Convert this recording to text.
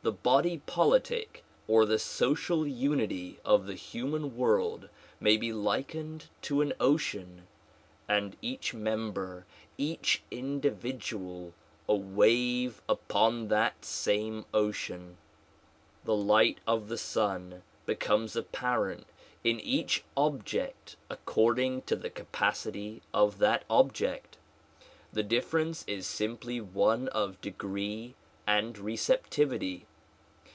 The body politic or the social unity of the human world may be likened to an ocean and each member, each individual a wave upon that same ocean. The light of the sun becomes apparent in each ob.ject according to the capacity of that object. The difference is simply one of degree and receptivity.